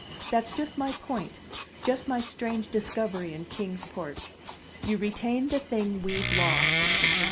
That's just my point, just my strange discovery in Kings Port. You retain the thing we've lost.